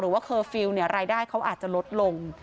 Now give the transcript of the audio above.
เคอร์ฟิลล์รายได้เขาอาจจะลดลง